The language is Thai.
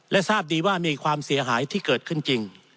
และทราบดีว่ามีความเสียหายที่เกิดขึ้นจริง